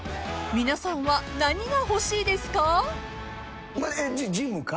［皆さんは何が欲しいですか？］ジムか？